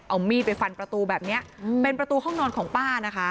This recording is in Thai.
เอามีดไปฟันประตูแบบนี้เป็นประตูห้องนอนของป้านะคะ